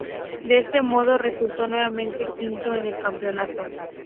De este modo, resultó nuevamente quinto en el campeonato.